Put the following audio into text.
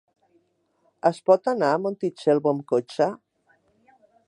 Es pot anar a Montitxelvo amb cotxe?